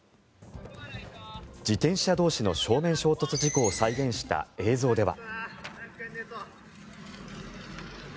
自転車同士の正面衝突事故を再現した映像では。